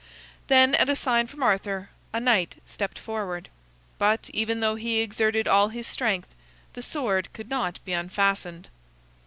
Then, at a sign from Arthur, a knight stepped forward. But, even though he exerted all his strength, the sword could not be unfastened.